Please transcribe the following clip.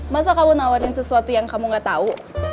masa kamu nawarin sesuatu yang kamu gak tahu